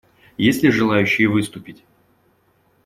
Есть ли желающие выступить?